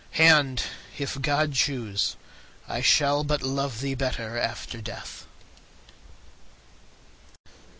—and, if God choose, I shall but love thee better after death.